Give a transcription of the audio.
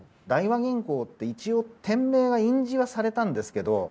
大和銀行って一応店名は印字はされたんですけど